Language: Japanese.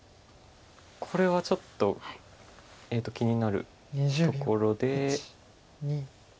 これはちょっと気になるところで。